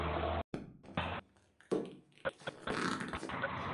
Destaca el santuario de la Virgen de la Caridad con cuadros de El Greco.